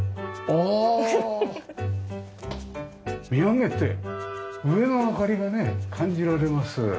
ああ見上げて上の明かりがね感じられます。